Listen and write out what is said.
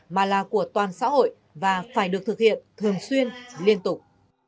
mà là của toàn xã hội và phải được thực hiện thường xuyên liên tục